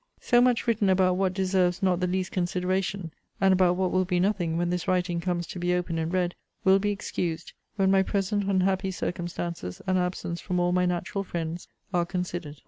So much written about what deserves not the least consideration, and about what will be nothing when this writing comes to be opened and read, will be excused, when my present unhappy circumstances and absence from all my natural friends are considered.